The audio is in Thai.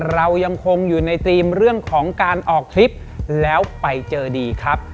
เรายังคงอยู่ในธีมเรื่องของการออกทริปแล้วไปเจอดีครับ